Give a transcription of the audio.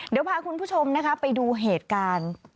เดี๋ยวพาคุณผู้ชมนะคะไปดูเหตุการณ์